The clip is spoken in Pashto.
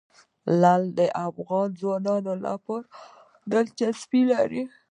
لعل د افغان ځوانانو لپاره دلچسپي لري.